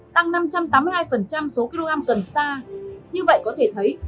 tăng năm trăm tám mươi hai số kg cần sa như vậy có thể thấy